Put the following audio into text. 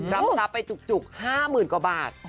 รับทรัพย์ไปจุก๕๐๐๐กว่าบาท